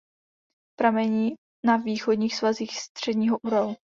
Pramení na východních svazích Středního Uralu.